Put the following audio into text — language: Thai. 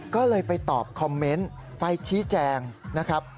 ก็เลยไปตอบคอมเมนต์ไปชี้แจงนะครับ